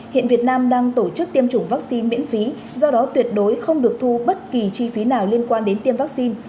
hiện việt nam đang tổ chức tiêm chủng vaccine miễn phí do đó tuyệt đối không được thu bất kỳ chi phí nào liên quan đến tiêm vaccine